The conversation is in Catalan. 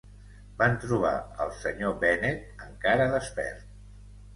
Van trobar al Sr. Bennet encara despert.